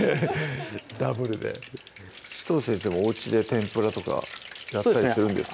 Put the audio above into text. ダブルで紫藤先生もおうちで天ぷらとかやったりするんですか？